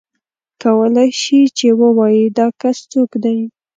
کولای شې چې ووایې دا کس څوک دی.